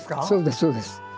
そうですそうです。